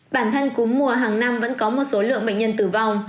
bản thân cúm mùa hàng năm vẫn có một số lượng bệnh nhân tử vong